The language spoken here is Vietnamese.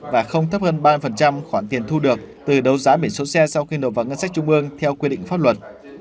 và không thấp hơn ba khoản tiền thu được từ đấu giá biển số xe sau khi nộp vào ngân sách trung ương theo quy định pháp luật